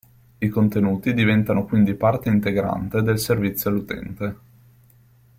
I contenuti diventano quindi parte integrante del servizio all'utente.